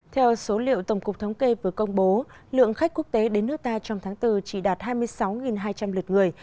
theo số liệu tổng cục thống kê vừa công bố lượng khách quốc tế đến nước ta trong tháng bốn chỉ đạt hai mươi sáu hai trăm linh lượt người